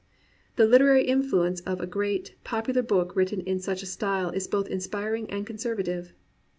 The Uterary influence of a great, popular book written in such a style is both inspiring and con servative.